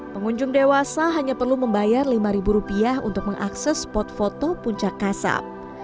pengunjung dewasa hanya perlu membayar lima rupiah untuk mengakses spot foto puncak kasab